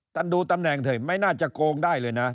ดูตำแหน่งเถอะไม่น่าจะโกงได้เลยนะ